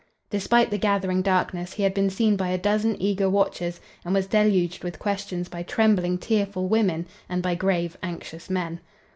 Despite the gathering darkness, he had been seen by a dozen eager watchers and was deluged with questions by trembling, tearful women and by grave, anxious men.